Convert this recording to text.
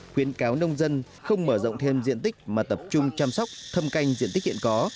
khuyến cáo nông dân không mở rộng thêm diện tích mà tập trung chăm sóc thâm canh diện tích hiện có